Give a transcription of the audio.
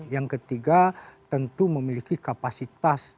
yang ketiga tentu memiliki kapasitas